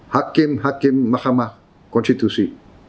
hakim hakim mahkamah konstitusi